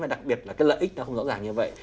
và đặc biệt là cái lợi ích nó không rõ ràng như vậy